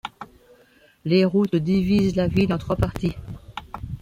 Les routes divisent la ville en trois parties.